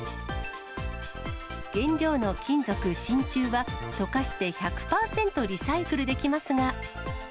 原料の金属、しんちゅうは溶かして１００％リサイクルできますが。